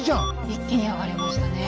一気に上がりましたね。